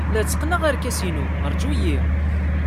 La tteqqneɣ arkas-inu. Ṛju-iyi!